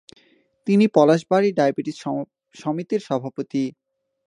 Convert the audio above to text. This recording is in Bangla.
তিনি পলাশবাড়ী ডায়াবেটিস সমিতির সভাপতি।